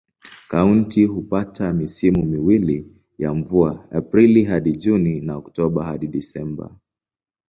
Kaunti hupata misimu miwili ya mvua: Aprili hadi Juni na Oktoba hadi Disemba.